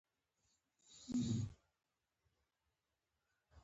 په لوړ او واضح غږ وایي ملګری ستالین.